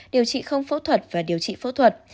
điều trị không phẫu thuật và điều trị phẫu thuật